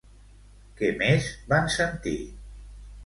Què més van sentir?